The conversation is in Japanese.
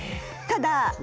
ただ？